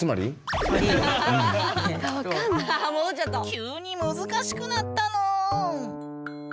急に難しくなったぬん。